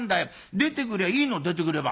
出てくりゃあいいの出てくれば。